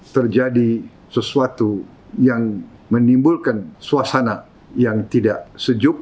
terjadi sesuatu yang menimbulkan suasana yang tidak sejuk